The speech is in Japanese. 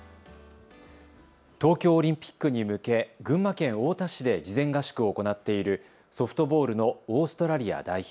東京オリンピックに向け群馬県太田市で事前合宿を行っているソフトボールのオーストラリア代表。